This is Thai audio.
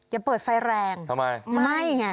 อย่าเปิดไฟแรงไม่ไง